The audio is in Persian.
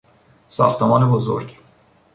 ساختمان بزرگ